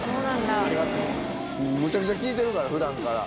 むちゃくちゃ聴いてるから普段から。